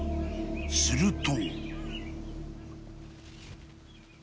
［すると］